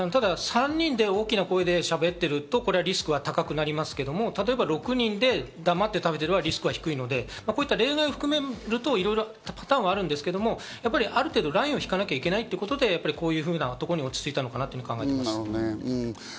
ただ３人で大きな声でしゃべっていると、これはリスクは高くなりますけど、例えば６人で黙って食べてればリスクは低いので、例外を含めると、いろいろなパターンはあるんですけど、ある程度ラインを引かなきゃいけないということで、こういうことに落ち着いたのかなと考えています。